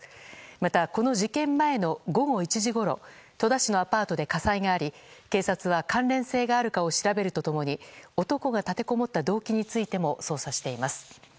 また、この事件前の午後１時ごろ戸田市のアパートで火災があり警察は、関連性があるかどうかを調べると共に男が立てこもった動機についても捜査しています。